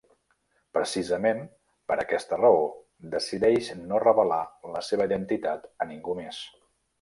Precisament per aquesta raó decideix no revelar la seva identitat a ningú més.